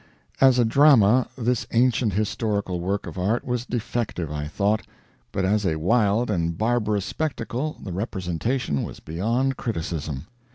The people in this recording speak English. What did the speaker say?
As a drama this ancient historical work of art was defective, I thought, but as a wild and barbarous spectacle the representation was beyond criticism.